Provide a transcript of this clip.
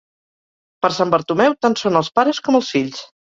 Per Sant Bartomeu, tant són els pares com els fills.